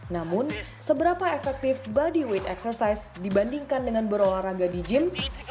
namun seberapa efektif bodyweight exercise dibandingkan dengan berolahraga di gym